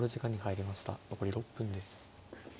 残り６分です。